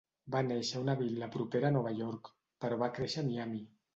Va néixer a una vil·la propera a Nova York, però va créixer a Miami.